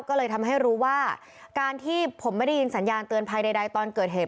ก็เลยทำให้รู้ว่าการที่ผมไม่ได้ยินสัญญาณเตือนภัยใดตอนเกิดเหตุ